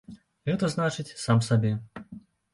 Гэта значыць, сам сабе.